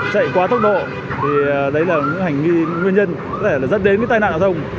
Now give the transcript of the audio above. chạy quá tốc độ thì đấy là những hành nghi nguyên nhân dẫn đến cái tai nạn giao thông